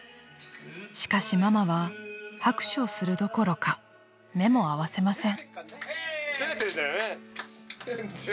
［しかしママは拍手をするどころか目も合わせません］